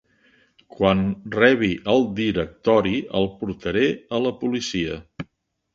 Quan rebi el directori, el portaré a la policia.